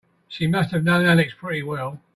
She must have known Alex pretty well.